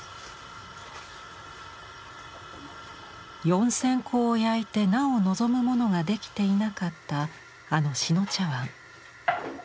４，０００個を焼いてなお望むものができていなかったあの志野茶碗。